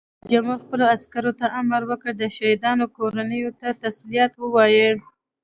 رئیس جمهور خپلو عسکرو ته امر وکړ؛ د شهیدانو کورنیو ته تسلیت ووایئ!